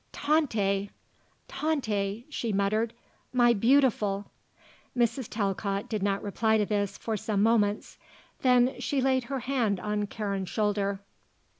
"Tante! Tante!" she muttered. "My beautiful!" Mrs. Talcott did not reply to this for some moments; then she laid her hand on Karen's shoulder.